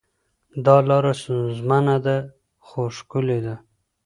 دا لاره ستونزمنه ده خو ښکلې ده.